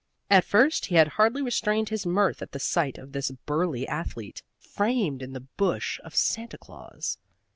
At first he had hardly restrained his mirth at the sight of this burly athlete framed in the bush of Santa Claus.